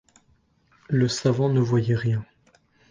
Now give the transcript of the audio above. Le savant ne voyait rien.